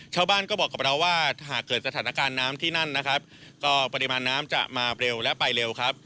ชาวบ้านก็บอกกับเราว่าหากเกิดสถานการณ์น้ำที่นั่นนะครับก็ปริมาณน้ำจะมาเร็วและไปเร็วครับ